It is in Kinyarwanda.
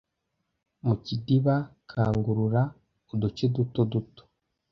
Mu kidiba kangurura uduce duto duto.